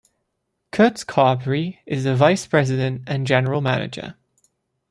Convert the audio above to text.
Kurt Carberry is the vice president and general manager.